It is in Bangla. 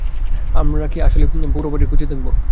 আমরা কি আসলেই পুরো বাড়ি খুঁজে দেখব?